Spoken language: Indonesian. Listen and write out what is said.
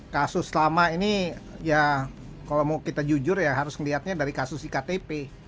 kasus lama ini ya kalau mau kita jujur ya harus melihatnya dari kasus iktp